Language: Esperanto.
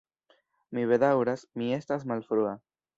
Mi bedaŭras, mi estas malfrua.